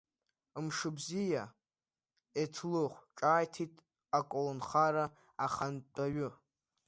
Мшыбзиа, Еҭлыхә ҿааиҭит аколнхара ахантәаҩы.